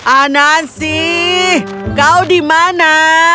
anansi kau dimana